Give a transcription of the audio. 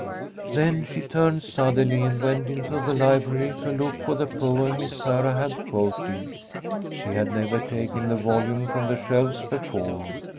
Then she turned suddenly and went into the library to look for the poem Miss Sarah had quoted. She had never taken the volume from the shelves before.